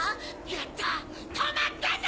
やった止まったぞ！